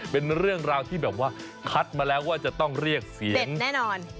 เป็นเรื่องราวที่แบบว่าคัดมาแล้วว่าจะต้องเรียกเสียงแน่นอน